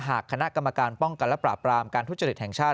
หากคณะกรรมการป้องกันและปราบรามการทุจริตแห่งชาติ